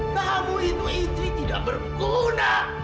kamu adalah istri yang tidak berguna